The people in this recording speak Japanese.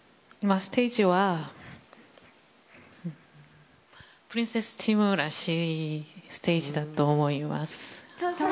ステージはプリンセスチームらしいステージだと思います。